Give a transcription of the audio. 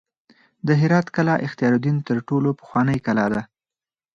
د هرات قلعه اختیارالدین تر ټولو پخوانۍ کلا ده